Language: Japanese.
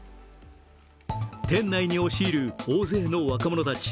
店内に押し入る大勢の若者たち。